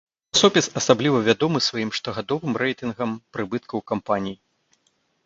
Часопіс асабліва вядомы сваім штогадовым рэйтынгам прыбыткаў кампаній.